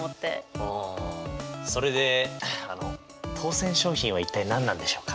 ああそれであの当選賞品は一体何なんでしょうか？